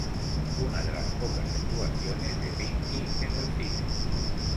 Una de las pocas actuaciones de Pinky en el cine.